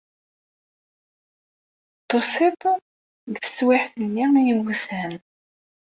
Tusiḍ-d deg teswiɛt-nni ay iwutan.